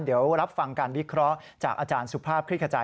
เดี๋ยวรับฟังการวิเคราะห์จากอาจารย์สุภาพคลิกขจา